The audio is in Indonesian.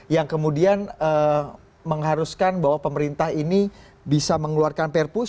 yang kemudian mengharuskan bahwa pemerintah ini bisa mengeluarkan perpus